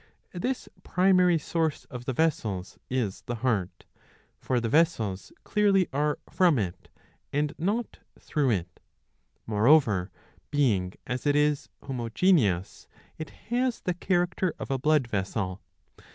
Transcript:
This primary source of the vessels is the heart.^ For the vessels clearly are from it, and not through it.^ Moreover, being as it is homogeneous, it has the character of a blood vessel.